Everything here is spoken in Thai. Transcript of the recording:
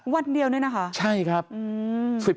วันเดียวด้วยนะคะใช่ครับ